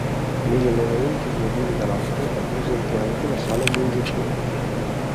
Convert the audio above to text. Negli allevamenti di ovini da latte è presente anche la sala mungitura.